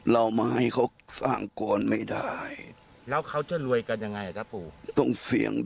เรามาให้เขาสร้างก่อนไม่ได้